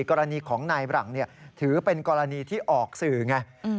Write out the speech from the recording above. กรณีของนายบหลังถือเป็นกรณีที่ออกสื่อไง